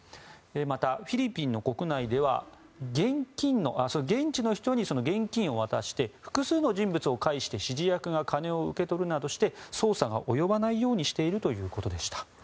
また、フィリピンの国内では現地の人に現金を渡して複数の人物を介して指示役が金を受け取るなどして捜査が及ばないようにしているということでした。